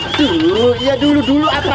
aduh ya dulu dulu atran